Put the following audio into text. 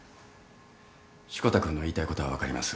志子田君の言いたいことは分かります。